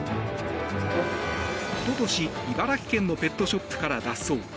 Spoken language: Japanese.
一昨年、茨城県のペットショップから脱走。